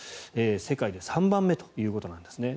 世界で３番目ということなんですね。